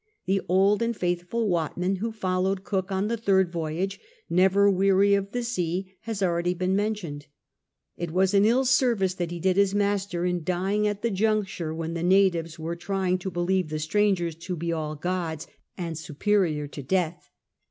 The old and faithful Watmaii, who followed Cook on the third voyage, never weary of the sea, has been already mentioned. It was an ill scu'vice that he did his master in dying at the juncture when the natives were trying to believe the strangers to be all gods and sui>crior to death.